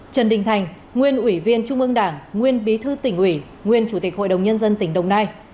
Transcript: trần đình thành nguyên ủy viên trung ương đảng nguyên bí thư tỉnh ủy nguyên chủ tịch hội đồng nhân dân tỉnh đồng nai